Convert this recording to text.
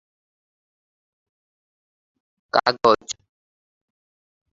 এটি তাদেরকে ভবিষ্যতে গৃহে মৌখিক পুনরুদন থেরাপি দেয়ার জন্য তৈরি হতে সাহায্য করবে।